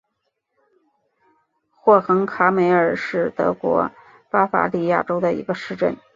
霍亨卡梅尔是德国巴伐利亚州的一个市镇。